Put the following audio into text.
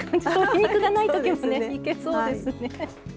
鶏肉がないときもねいけそうですね。